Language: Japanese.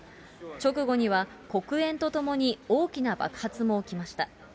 直後には黒煙とともに大きな爆発も起きました。